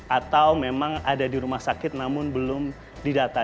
atau memang ada di rumah sakit namun belum didata